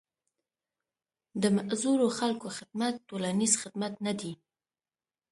د معذورو خلکو خدمت ټولنيز خدمت نه دی.